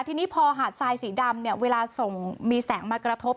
ทีนี้พอหาดทรายสีดำเนี่ยเวลาส่งมีแสงมากระทบ